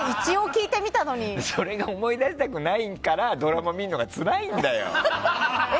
それを思い出したくないからドラマ見るのつらいのよ。